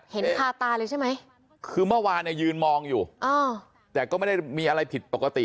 คาตาเลยใช่ไหมคือเมื่อวานเนี่ยยืนมองอยู่แต่ก็ไม่ได้มีอะไรผิดปกติ